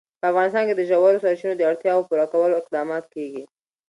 په افغانستان کې د ژورو سرچینو د اړتیاوو پوره کولو اقدامات کېږي.